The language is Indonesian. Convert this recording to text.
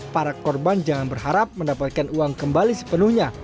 para korban jangan berharap mendapatkan uang kembali sepenuhnya